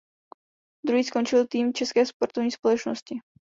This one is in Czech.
Druhý skončil tým České sportovní společnosti.